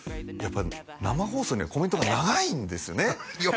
やっぱり生放送にはコメントが長いんですね